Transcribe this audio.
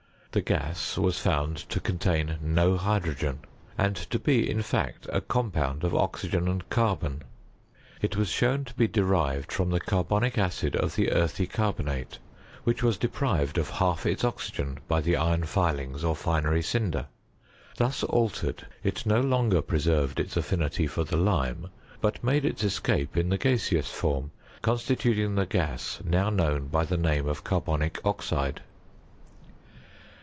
The gas was found to contain no hydrogen, and to be in fact a compound of oxj gen and carbon. It was shown lo be derived from the carbonic acid of the earthy carbonate, which was deprived of half its oxygen by the iron filings or finery cinder. Thus altered, it no longer preserved its affinity for the lime, but made its escape in the gaseous form, constituting the gas now known by the name of carbonic oxide.